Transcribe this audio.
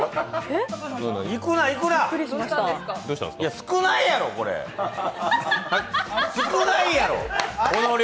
少ないやろ、この量！